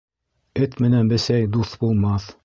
Эт менән бесәй дуҫ булмаҫ.